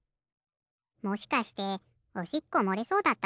もしかしておしっこもれそうだったとか？